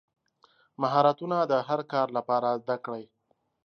مهارتونه د هر کار لپاره زده کړئ.